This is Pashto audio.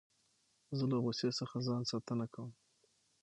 زه له غوسې څخه ځان ساتنه کوم.